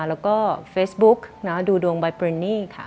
แล้วก็เฟซบุ๊กดูดวงไบเรนนี่ค่ะ